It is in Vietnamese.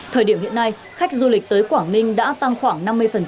thời điểm hiện nay khách du lịch tới quảng ninh đã tăng khoảng năm mươi